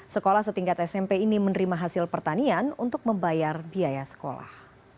sekolah setingkat smp ini menerima hasil pertanian untuk membayar biaya sekolah